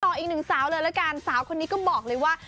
อีกหนึ่งสาวเลยละกันสาวคนนี้ก็บอกเลยว่า